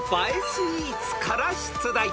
スイーツから出題］